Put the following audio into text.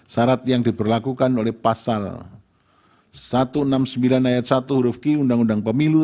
syarat yang diberlakukan oleh pasal satu ratus enam puluh sembilan ayat satu huruf q undang undang pemilu